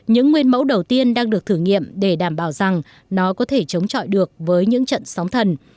những nguyên mẫu đầu tiên đang được thử nghiệm để đảm bảo rằng nó có thể chống chọi được với những trận sóng thần